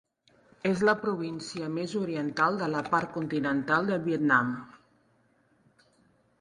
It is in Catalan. És la província més oriental de la part continental del Vietnam.